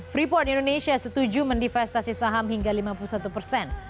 freeport indonesia setuju mendivestasi saham hingga lima puluh satu persen